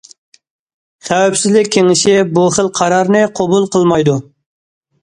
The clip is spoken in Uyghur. خەۋپسىزلىك كېڭىشى بۇ خىل قارارنى قوبۇل قىلمايدۇ.